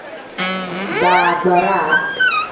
Baagbara.